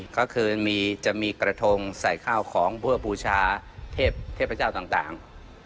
ก็คือจะมีกระทงใส่ข้าวของเพื่อบูชาเทพเจ้าต่าง